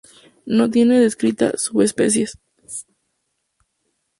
No tiene descritas subespecies.